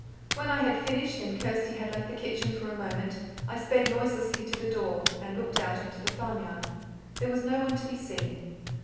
When I had finished, and Kirsty had left the kitchen for a moment, I sped noiselessly to the door, and looked out into the farmyard. There was no one to be seen.